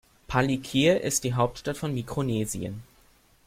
Palikir ist die Hauptstadt von Mikronesien.